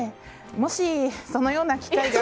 もし、そのような機会が。